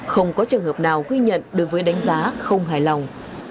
không có trường hợp nào ghi nhận đối với đánh giá không hài lòng